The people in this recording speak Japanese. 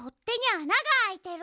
あながあいてる！